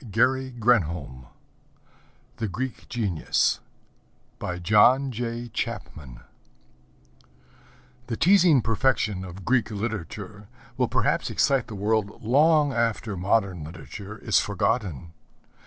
_' The Greek Genius By John Jay Chapman The teasing perfection of Greek Literature will perhaps excite the world long after modern literature is forgotten.